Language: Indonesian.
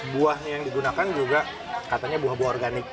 buah yang digunakan juga katanya buah buah organik